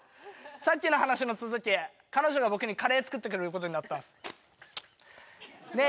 さっきの話の続き彼女が僕にカレー作ってくれることになったんですねえ